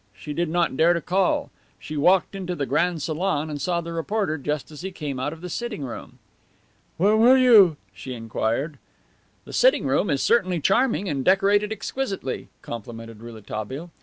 She did not dare to call. She walked into the grand salon and saw the reporter just as he came out of the sitting room. "Where were you?" she inquired. "The sitting room is certainly charming, and decorated exquisitely," complimented Rouletabille.